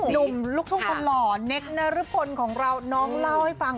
ลูกทุ่งคนหล่อเนคนรพลของเราน้องเล่าให้ฟัง